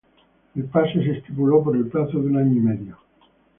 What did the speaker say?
El pase se estipuló por el plazo de un año y medio.